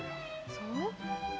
そう？